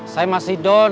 saya masih don